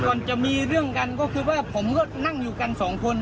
ก่อนจะมีเรื่องกันก็คือว่าผมก็นั่งอยู่กันสองคน